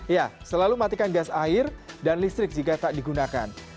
ya selalu matikan gas air dan listrik jika tak digunakan